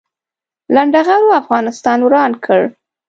لنډغرو افغانستان وران کړ